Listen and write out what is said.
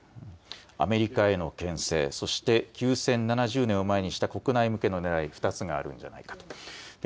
アメリカへのけん制、そして休戦７０年を前にした国内向けのねらい、２つがあるということですね。